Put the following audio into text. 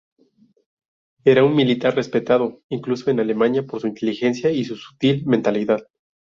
Era un militar respetado, incluso en Alemania, por su inteligencia y su sutil mentalidad.